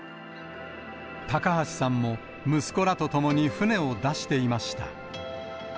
高橋さんも息子らと共に船を出していました。